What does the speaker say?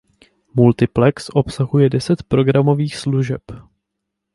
Multiplex obsahuje deset programových služeb.